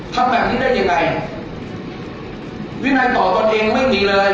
ทำแบบนี้ได้ยังไงวินัยต่อตนเองไม่มีเลย